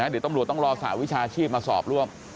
เดี๋ยวตำรวจต้องรอสหวิชาชีพมาสอบร่วม